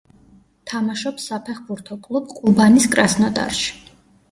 თამაშობს საფეხბურთო კლუბ ყუბანის კრასნოდარში.